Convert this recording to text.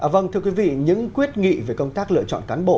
vâng thưa quý vị những quyết nghị về công tác lựa chọn cán bộ